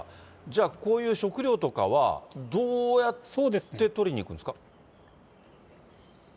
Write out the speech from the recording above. じゃあ、こういう食料とかは、どうやって取りに行くんですか？